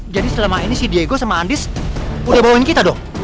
jadi selama ini si diego sama andis udah bawain kita dong